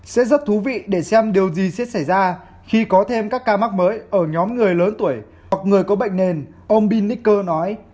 sẽ rất thú vị để xem điều gì sẽ xảy ra khi có thêm các ca mắc mới ở nhóm người lớn tuổi hoặc người có bệnh nền ông bin nicker nói